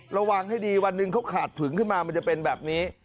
ระวังให้ดีวันหนึ่งเขาขาดผึงขึ้นมามันจะเป็นแบบนี้